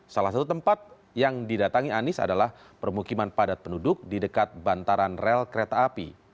salah satu tempat yang didatangi anies adalah permukiman padat penduduk di dekat bantaran rel kereta api